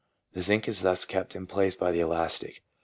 The zinc is thus kept in place by the elastic.